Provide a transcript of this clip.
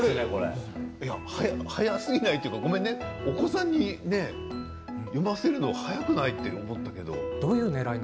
早すぎない？というかお子さんに読ませるのは早すぎない？と思ったけれど。